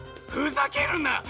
ふざけるな！